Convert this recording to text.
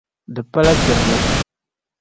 Di pala kpɛrigu.